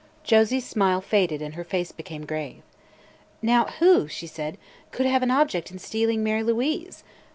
Josie's smile faded and her face became grave. "Now, who," she said, "could have an object in stealing Mary Louise?